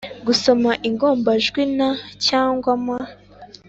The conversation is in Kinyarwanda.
-gusoma ingombajwi n cyangwa m;